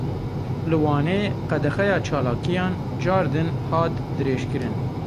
Li Wanê qedexeya çalakiyan cardin hat dirêjkirin.